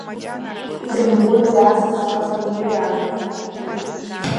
Дрымбои уи асасцәа харантәи иааны.